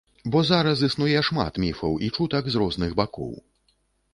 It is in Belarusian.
Бо зараз існуе шмат міфаў і чутак з розных бакоў.